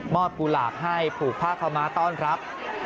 กุหลาบให้ผูกผ้าขาวม้าต้อนรับ